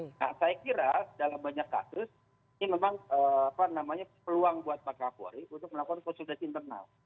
nah saya kira dalam banyak kasus ini memang peluang buat pak kapolri untuk melakukan konsultasi internal